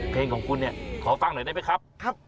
เพลงของคุณเนี่ยขอฟังหน่อยได้ไหมครับ